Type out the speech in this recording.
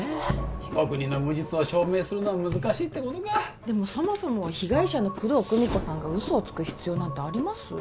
被告人の無実を証明するのは難しいってことかでもそもそも被害者の工藤久美子さんが嘘をつく必要なんてあります？